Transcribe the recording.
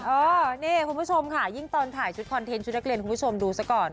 เออนี่คุณผู้ชมค่ะยิ่งตอนถ่ายชุดคอนเทนต์ชุดนักเรียนคุณผู้ชมดูซะก่อน